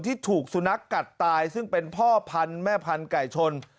ที่ถูกสุนัขกัดตายซึ่งเป็นพ่อพันธุ์แม่พันธุ์ไก่ชน